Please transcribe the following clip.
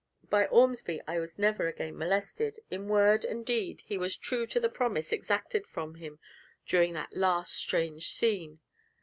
By Ormsby I was never again molested; in word and deed, he was true to the promise exacted from him during that last strange scene.